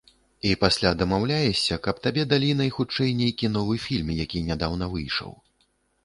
І пасля дамаўляешся, каб табе далі найхутчэй нейкі новы фільм, які нядаўна выйшаў.